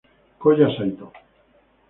Koya Saito